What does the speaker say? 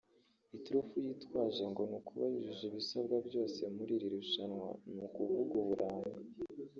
Iturufu yitwaje ngo ni ukuba yujuje ibisabwa byose muri iri rushanwa ni ukuvuga uburanga